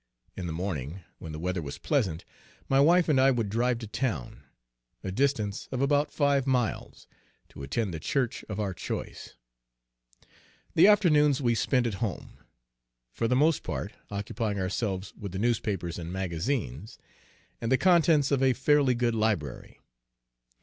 In the morning, when the weather was pleasant, my wife and I would drive to town, a distance of about five miles, to attend the church of our choice. The afternoons we spent at home, for the most part, occupying ourselves with the newspapers and magazines, and the contents of a fairly good library.